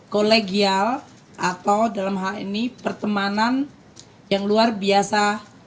kolegial atau dalam hal ini pertemanan yang luar biasa